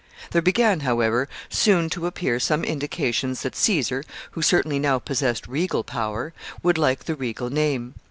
] There began, however, soon to appear some indications that Caesar, who certainly now possessed regal power, would like the regal name.